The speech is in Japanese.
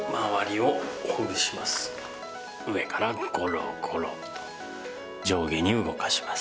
上からゴロゴロと上下に動かします。